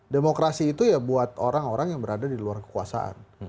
demokrasi itu ya buat orang orang yang berada di luar kekuasaan